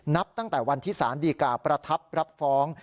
นับตั้งแต่วันที่สารดีกาประทับรับฟ้อง